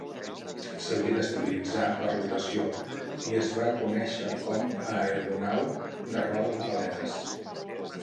S"havia d"estabilitzar per rotació i es va conèixer com a aeronau de roda de paletes.